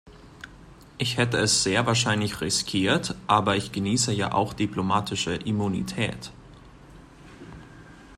Ich hätte es sehr wahrscheinlich riskiert, aber ich genieße ja auch diplomatische Immunität.